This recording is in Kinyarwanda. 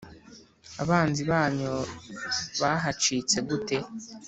Abanzi banyu bahacitse gute